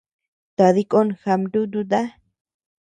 Tadï kon jabnututa.